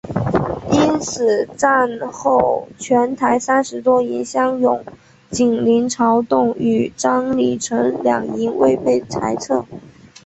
因此战后全台三十多营乡勇仅林朝栋与张李成两营未被裁撤。